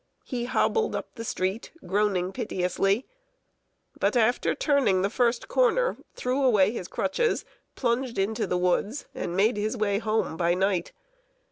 He hobbled up the street, groaning piteously; but, after turning the first corner, threw away his crutches, plunged into the woods, and made his way home by night.